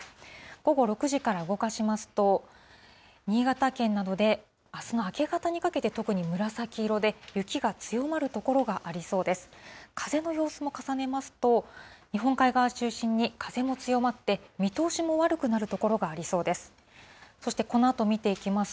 午後６時から動かしますと、新潟県などであすの明け方にかけて特に紫色で、雪が強まる所がありそうです。